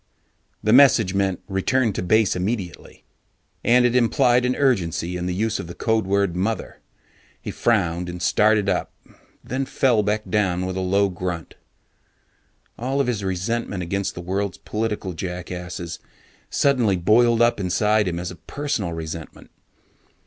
The message meant: return to base immediately. And it implied an urgency in the use of the code word Mother. He frowned and started up, then fell back with a low grunt. All of his resentment against the world's political jackasses suddenly boiled up inside him as a personal resentment.